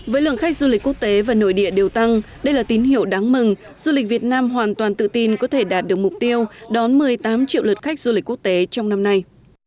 với lượng khách du lịch quốc tế và nội địa đều tăng đây là tín hiệu đáng mừng du lịch việt nam hoàn toàn tự tin có thể đạt được mục tiêu đón một mươi tám triệu lượt khách du lịch quốc tế trong năm nay